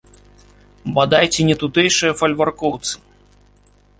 Бадай, ці нетутэйшыя фальваркоўцы.